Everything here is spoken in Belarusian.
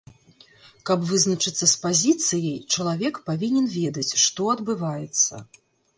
Каб вызначыцца з пазіцыяй, чалавек павінен ведаць, што адбываецца.